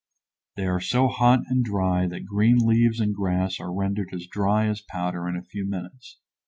They are so hot and dry that green leaves and grass are rendered as dry as powder in a few minutes.